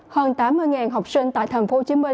hơn tám mươi học sinh tại tp hcm